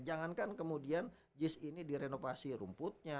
jangankan kemudian jis ini di renovasi rumputnya